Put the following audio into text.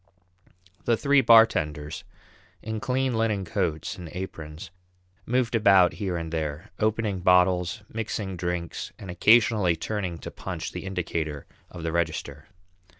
The three bartenders, in clean linen coats and aprons, moved about here and there, opening bottles, mixing drinks, and occasionally turning to punch the indicator of the register.